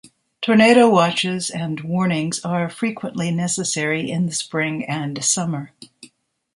Tornado watches and warnings are frequently necessary in the spring and summer.